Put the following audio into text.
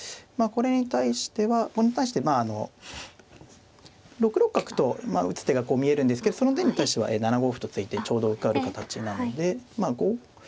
まあこれに対してまああの６六角と今打つ手が見えるんですけどその手に対しては７五歩と突いてちょうど受かる形なのでまあ